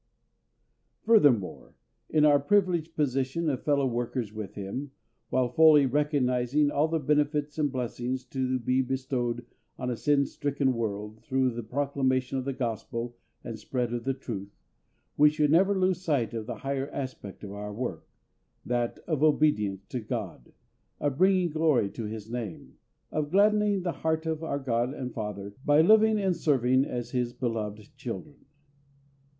Furthermore, in our privileged position of fellow workers with Him, while fully recognising all the benefits and blessings to be bestowed on a sin stricken world through the proclamation of the Gospel and spread of the Truth, we should never lose sight of the higher aspect of our work that of obedience to GOD, of bringing glory to His Name, of gladdening the heart of our GOD and FATHER by living and serving as His beloved children.